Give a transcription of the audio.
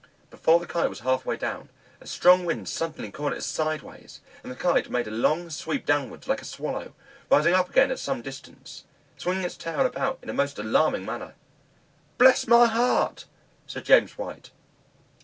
Before the Kite was half way down, a strong wind suddenly caught it sideways, and the Kite made a long sweep downwards, like a swallow, rising up again at some distance, swinging its tail about in a most alarming manner. "Bless my heart!" said James White.